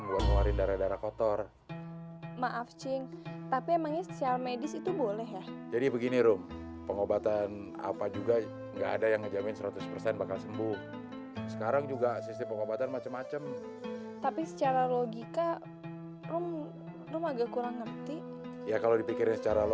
yang modelnya kantong mejen begini orang yang mabuk orang yang pegajulan kalian deketin dulu